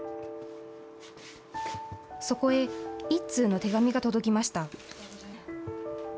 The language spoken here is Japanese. そこへ１通の手紙が届きました。